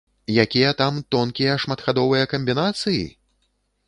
Якія там тонкія шматхадовыя камбінацыі?